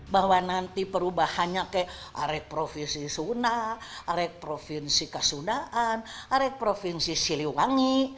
bahwa nanti perubahannya kayak arek provinsi sunda arek provinsi kasundaan arek provinsi siliwangi